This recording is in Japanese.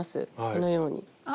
このように。